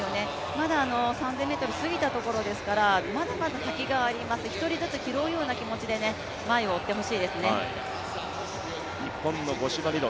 まだ３０００ｍ過ぎたところですからまだまだ先があります、１人ずつ拾うような気持ちで日本の五島莉乃